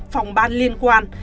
phòng ban liên quan